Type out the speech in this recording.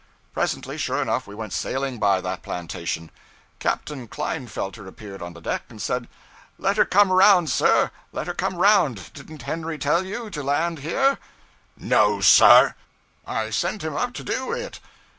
Presently, sure enough, we went sailing by that plantation. Captain Klinefelter appeared on the deck, and said 'Let her come around, sir, let her come around. Didn't Henry tell you to land here?' 'No, sir!' 'I sent him up to do, it.'